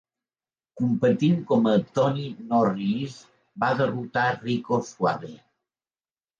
Competint com a Tony Norris va derrotar Rico Suave.